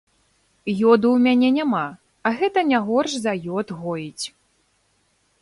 Ёду ў мяне няма, а гэта не горш за ёд гоіць.